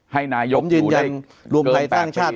ให้นายกอยู่ได้เกิน๘ปี